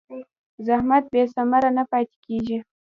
زحمت بېثمره نه پاتې کېږي.